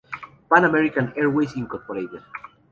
Pan American Airways, Inc.